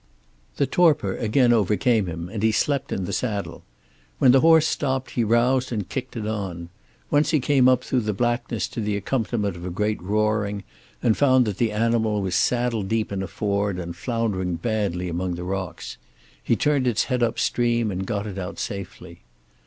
The torpor again overcame him and he slept in the saddle. When the horse stopped he roused and kicked it on. Once he came up through the blackness to the accompaniment of a great roaring, and found that the animal was saddle deep in a ford, and floundering badly among the rocks. He turned its head upstream, and got it out safely.